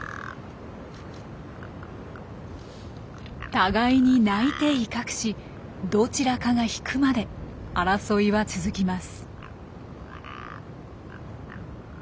互いに鳴いて威嚇しどちらかが引くまで争いは続きます。